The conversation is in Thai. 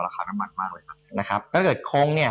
น้ำมันมากเลยครับนะครับถ้าเกิดคงเนี่ย